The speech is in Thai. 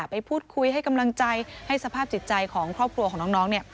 ไปพูดคุยให้กำลังใจให้สภาพจิตใจของครอบครัวของน้องเนี่ย